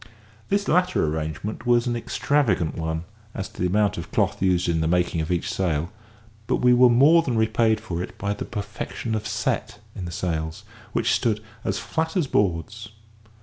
This latter arrangement was an extravagant one as to the amount of cloth used in the making of each sail, but we were more than repaid for it by the perfection of set in the sails, which stood as flat as boards.